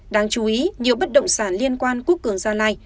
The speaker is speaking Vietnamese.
đáng chú ý nhiều bất động sản liên quan quốc cường gia lai